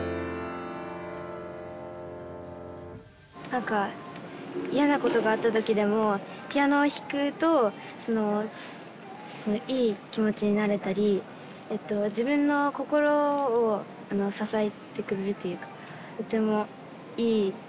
何か嫌なことがあった時でもピアノを弾くといい気持ちになれたり自分の心を支えてくれるというかとてもいい楽器だなと思って。